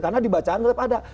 karena dibacaan tetap ada